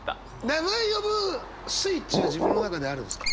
名前呼ぶスイッチは自分の中であるんですか？